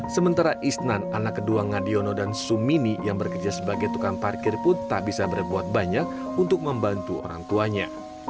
sementara isnan anak kedua ngadiono dan sumini yang bekerja sebagai tukang parkir pun tak bisa berbuat banyak untuk membantu orang tuanya